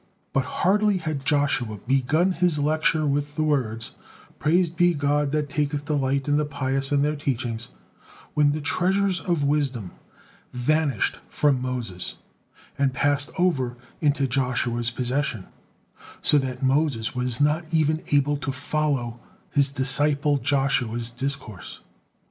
But hardly had Joshua begun his lecture with the words, "Praised be God that taketh delight in the pious and their teachings," when the treasures of wisdom vanished from Moses and passed over into Joshua's possession, so that Moses was not even able to follow his disciple Joshua's discourse.